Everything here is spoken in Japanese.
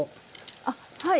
あっはい。